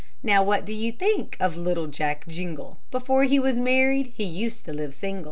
Now what do you think of little Jack Jingle? Before he was married he used to live single.